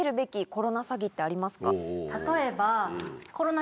例えば。